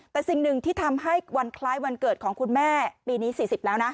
แต่สิ่งหนึ่งที่ทำให้วันคล้ายวันเกิดของคุณแม่ปีนี้๔๐แล้วนะ